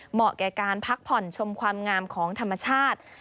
เหมาะแก่การพักผ่อนชมความงามของธรรมชาติ